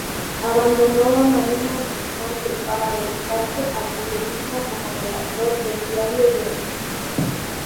Abandonó la marina mercante para dedicarse al periodismo como redactor del Diario de Ibiza.